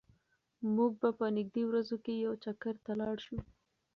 موږ به په نږدې ورځو کې یو چکر ته لاړ شو.